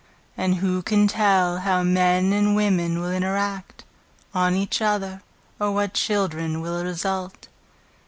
And who can tell How men and women will interact On each other, or what children will result?